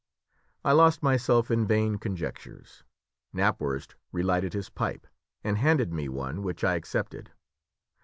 I lost myself in vain conjectures. Knapwurst relighted his pipe, and handed me one, which I accepted.